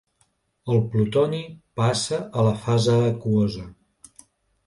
El plutoni passa a la fase aquosa.